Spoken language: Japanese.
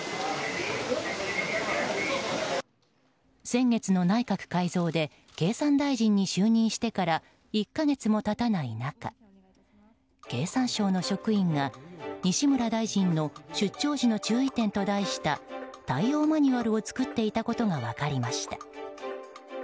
先月の内閣改造で経産大臣に就任してから１か月も経たない中経産省の職員が西村大臣の出張時の注意点と題した対応マニュアルを作っていたことが分かりました。